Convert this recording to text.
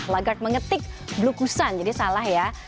lagarde mengetik blukusan jadi salah ya